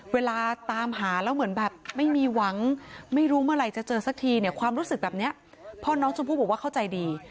เวลาตามหาแล้วเหมือนแบบไม่มีหวังไม่รู้เมื่อไหร่จะเจอสักทีเนี่ยความรู้สึกแบบนี้พ่อน้องชมพู่บอกว่าเข้าใจดี